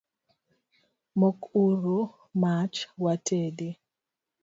Mok uru mach watedi